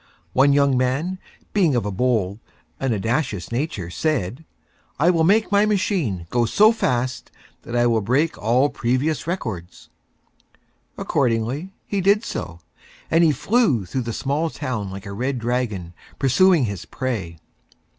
One Young Man, being of a Bold and Audacious nature, said: "I will make my Machine go so Fast that I will break all Previous Records." Accordingly, he did So, and he Flew through the Small Town like a Red Dragon Pursuing his Prey.